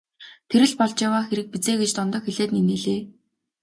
Тэр л болж яваа хэрэг биз ээ гэж Дондог хэлээд инээлээ.